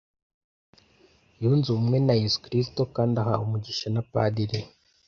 yunze ubumwe na yesu kristo kandi ahawe umugisha na padiri we